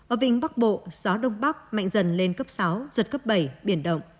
ở vịnh bắc bộ gió đông bắc mạnh dần lên cấp sáu giật cấp bảy biển động